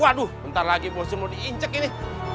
waduh bentar lagi bosnya mau diinjek ini